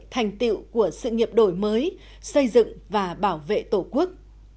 thành tiệu của sự nghiệp đổi mới xây dựng và bảo vệ tổ quốc